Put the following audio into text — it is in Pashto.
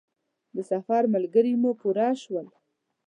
د سفر ملګري مو پوره شول.